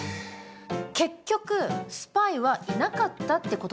結局スパイはいなかったってことですか？